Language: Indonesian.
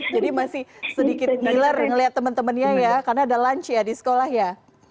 jadi masih sedikit ngiler ngeliat temen temennya ya karena ada lunch ya di sekolah ya